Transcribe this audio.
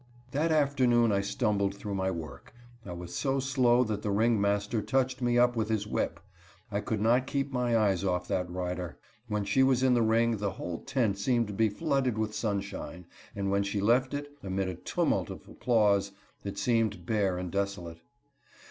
That afternoon I stumbled through my work. I was so slow that the ringmaster touched me up with his whip. I could not keep my eyes off that rider. When she was in the ring the whole tent seemed to be flooded with sunshine, and when she left it, amid a tumult of applause, it seemed bare and desolate.